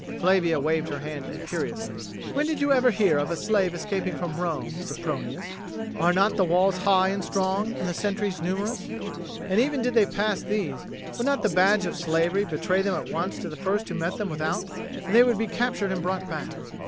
Flavia waved her hand imperiously. "When did you ever hear of a slave escaping from Rome, Sempronius? Are not the walls high and strong, and the sentries numerous? And even did they pass these, would not the badge of slavery betray them at once to the first who met them without, and they would be captured and brought back?